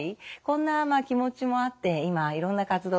こんな気持ちもあって今いろんな活動をしております。